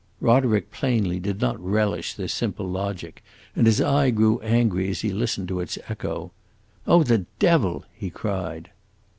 Roderick, plainly, did not relish this simple logic, and his eye grew angry as he listened to its echo. "Oh, the devil!" he cried.